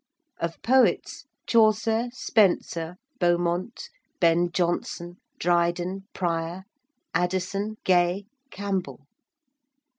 Of poets, Chaucer, Spenser, Beaumont, Ben Jonson, Dryden, Prior, Addison, Gay, Campbell.